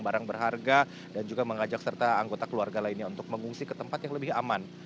barang berharga dan juga mengajak serta anggota keluarga lainnya untuk mengungsi ke tempat yang lebih aman